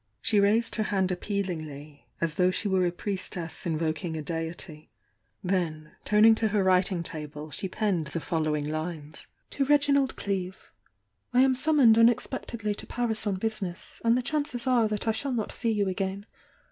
She raised her hand appealingly, as though she were a priestess invoking a deity, — then, turning to her writing table, she penned the following lines: "To Reginald Cleeve. "I am sunamoned unexpectedly to Paris on business, — and the chances are that I shall not see you again.